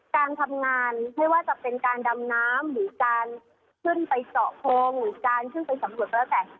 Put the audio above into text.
การทำงานไม่ว่าจะเป็นการดำน้ำหรือการขึ้นไปเจาะโพงหรือการขึ้นไปสำรวจก็แล้วแต่